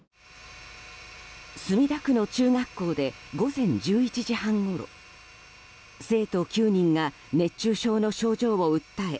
墨田区の中学校で午前１１時半ごろ生徒９人が熱中症の症状を訴え